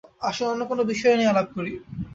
আসুন অন্য কোনো বিষয় নিয়ে আলাপ করি।